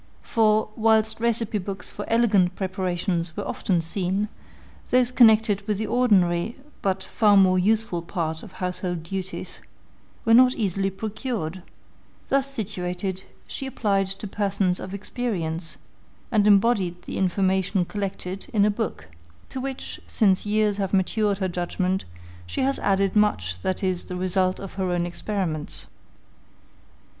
For, whilst receipt books for elegant preparations were often seen, those connected with the ordinary, but far more useful part of household duties, were not easily procured; thus situated, she applied to persons of experience, and embodied the information collected in a book, to which, since years have matured her judgment, she has added much that is the result of her own experiments.